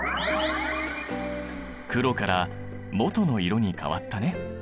黒から元の色に変わったね。